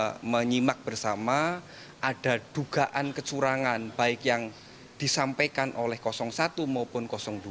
jadi kita juga menyimak bersama ada dugaan kecurangan baik yang disampaikan oleh satu maupun dua